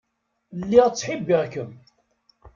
Lliɣ ttḥibbiɣ-kem.